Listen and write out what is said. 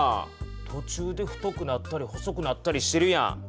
とちゅうで太くなったり細くなったりしてるやん。